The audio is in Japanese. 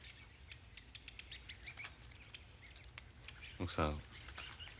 奥さん。